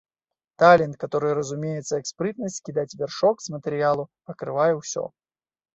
Талент, каторы разумеецца як спрытнасць скідаць вяршок з матэрыялу, пакрывае ўсё.